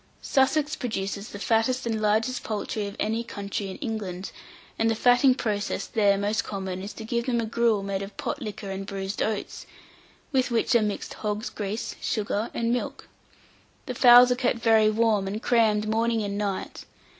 Sussex produces the fattest and largest poultry of any county in England, and the fatting process there most common is to give them a gruel made of pot liquor and bruised oats, with which are mixed hog's grease, sugar, and milk. The fowls are kept very warm, and crammed morning and night.